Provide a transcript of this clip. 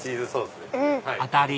当たり！